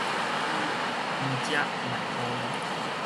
有，毋食也戇